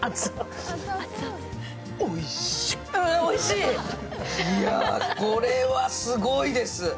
いや、これはすごいです。